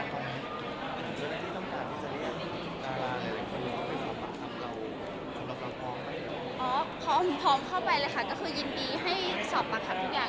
ก็คือยินดีให้สอบประธับประธามทุกอย่าง